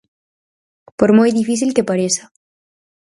Por moi difícil que pareza.